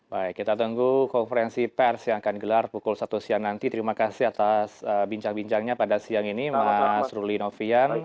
baik kita tunggu konferensi pers yang akan gelar pukul satu siang nanti terima kasih atas bincang bincangnya pada siang ini mas ruli novian